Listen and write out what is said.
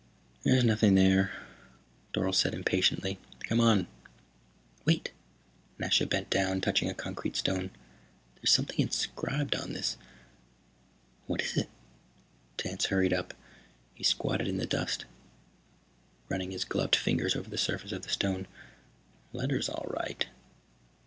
"There's nothing there," Dorle said impatiently. "Come on." "Wait." Nasha bent down, touching a concrete stone. "There's something inscribed on this." "What is it?" Tance hurried up. He squatted in the dust, running his gloved fingers over the surface of the stone. "Letters, all right."